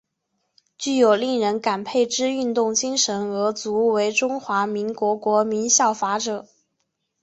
具有令人感佩之运动精神而足为中华民国国民效法者。